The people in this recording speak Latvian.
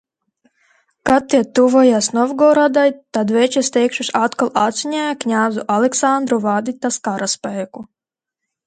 Kad tie tuvojās Novgorodai, tās veče steigšus atkal aicināja kņazu Aleksandru vadīt tās karaspēku.